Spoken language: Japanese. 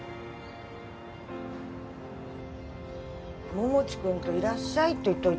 桃地くんといらっしゃいって言っておいたのに。